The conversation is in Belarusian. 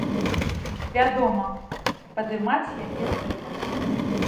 Вядома, падымаць яе трэба.